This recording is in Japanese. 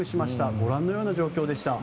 ご覧のような状況でした。